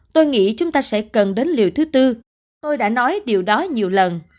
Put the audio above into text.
tôi nghĩ chúng ta sẽ cần đến liều thứ tư tôi đã nói điều đó nhiều lần